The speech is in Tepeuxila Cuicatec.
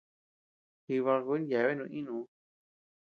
Jibakun yeabenu ínuu.